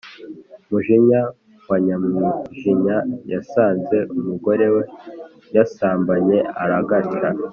mujinya wa nyamwijinya yasanze umugore we yasambanye aragaca